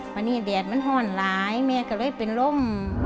วันนี้แดดมันห้อนหลายแม่ก็เลยเป็นลม